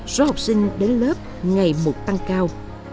số học sinh đến lớp ngày một tăng cao